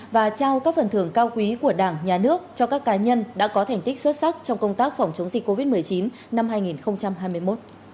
và trao các phần thưởng cao quý của đảng nhà nước cho các cá nhân đã có thành tích xuất sắc trong công tác phòng chống dịch covid một mươi chín năm hai nghìn hai mươi một